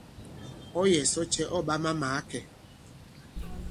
Ɔ̌ yɛ̀ sɔ cɛ ɔ̂ ɓa ma-màa kɛ̄?